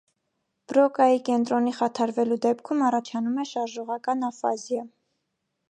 Բրոկայի կենտրոնի խաթարվելու դեպքում առաջանում է շարժողական աֆազիա։